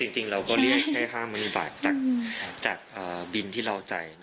จริงเราก็เรียกแค่๕๐๐๐บาทจากบินที่เราจ่าย